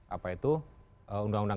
apa itu undang undang